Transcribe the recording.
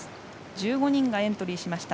１５人がエントリーしました。